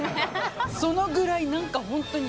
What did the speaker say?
そのぐらい、本当に。